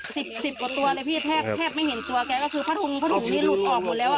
สิบสิบกว่าตัวเลยพี่แทบแทบไม่เห็นตัวแกก็คือผ้าถุงผ้าถุงนี้หลุดออกหมดแล้วอ่ะ